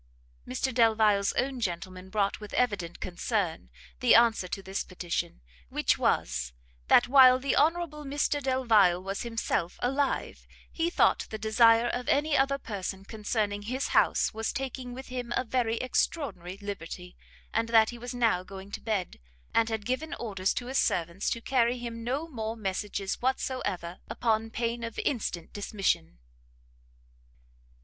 Mr Delvile's own gentleman brought, with evident concern, the answer to this petition; which was, that while the Honourable Mr Delvile was himself alive, he thought the desire of any other person concerning his house, was taking with him a very extraordinary liberty; and that he was now going to bed, and had given orders to his servants to carry him no more messages whatsoever, upon pain of instant dismission.